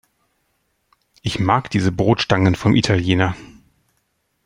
Ich mag diese Brotstangen vom Italiener.